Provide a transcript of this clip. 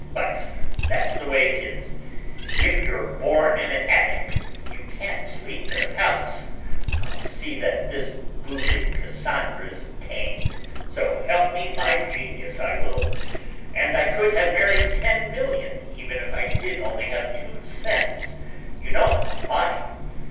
But that's the way it is, if you're born in an attic you can't sleep in a palace I'll see that this booted Cassandra's tamed, so help me my Genius, I will! And I could have married ten million, even if I did only have two cents: you know I'm not lying!